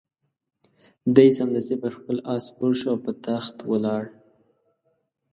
دی سمدستي پر خپل آس سپور شو او په تاخت ولاړ.